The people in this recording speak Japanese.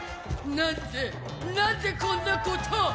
なんでなんでこんなこと！